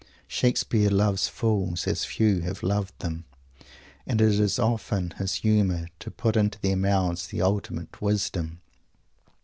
Shakespeare loves fools as few have loved them, and it is often his humour to put into their mouth the ultimate wisdom.